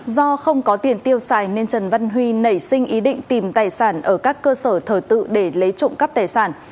do không có tiền tiêu xài nên trần văn huy nảy sinh ý định tìm tài sản ở các cơ sở thờ tự để lấy trộm cắp tài sản